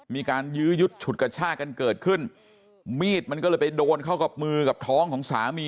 ยื้อยุดฉุดกระชากันเกิดขึ้นมีดมันก็เลยไปโดนเข้ากับมือกับท้องของสามี